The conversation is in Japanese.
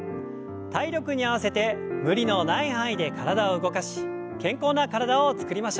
体力に合わせて無理のない範囲で体を動かし健康な体をつくりましょう。